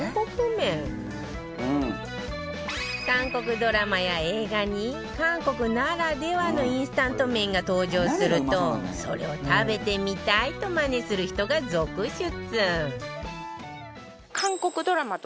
韓国ドラマや映画に韓国ならではのインスタント麺が登場するとそれを食べてみたいとマネする人が続出